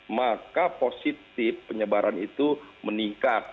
maka positif penyebaran itu meningkat